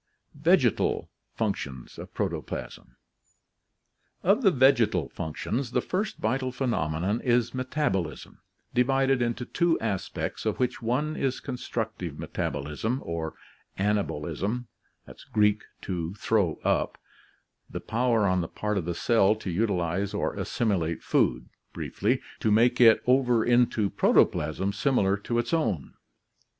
Vegetal Functions of Protoplasm. — Of the vegetal functions, the first vital phenomenon is metabolism, divided into two aspects, of which one is constructive metabolism, or anabolism (Gr. avd, up, and fidXteiv, to throw) — the power on the part of the cell to utilize or assimilate food, briefly, to make it over into protoplasm similar to its own.